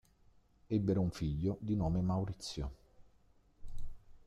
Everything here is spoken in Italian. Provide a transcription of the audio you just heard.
Ebbero un figlio di nome Maurizio.